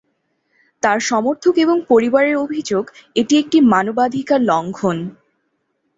তার সমর্থক এবং পরিবারের অভিযোগ, এটি একটি ‘মানবাধিকার লঙ্ঘন’।